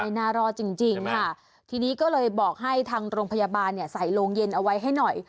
น่ารอดจริงค่ะทีนี้ก็เลยบอกให้ทางโรงพยาบาลเนี่ยใส่โรงเย็นเอาไว้ให้หน่อย